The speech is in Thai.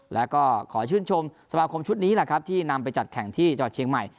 แล้วก็ขอชื่นชมสมาคมชุดนี้แหละครับที่นำไปจัดแข่งที่จังหวัดเชียงใหม่